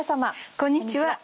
こんにちは。